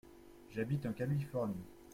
J’habite en Californie.